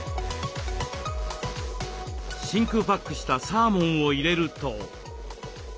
真空パックしたサーモンを入れると。